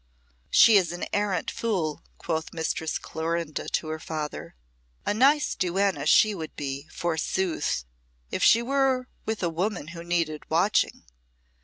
"She is an arrant fool," quoth Mistress Clorinda to her father. "A nice duenna she would be, forsooth, if she were with a woman who needed watching.